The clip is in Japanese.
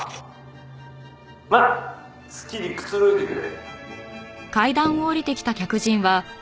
まあ好きにくつろいでくれ。